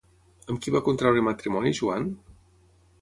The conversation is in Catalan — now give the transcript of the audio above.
Amb qui va contraure matrimoni Joan?